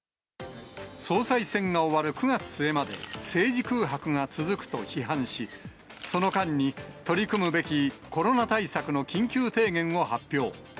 総裁選が終わる９月末まで政治空白が続くと批判し、その間に取り組むべきコロナ対策の緊急提言を発表。